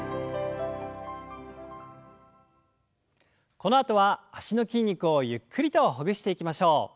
このあとは脚の筋肉をゆっくりとほぐしていきましょう。